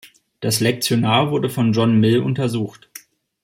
Das Lektionar wurde von John Mill untersucht.